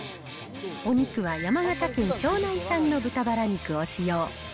お肉は山形県庄内産の豚バラ肉を使用。